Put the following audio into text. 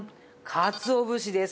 かつお節です。